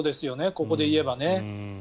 ここで言えばね。